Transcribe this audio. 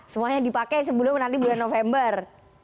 semuanya dipakai sebelum nanti bulan november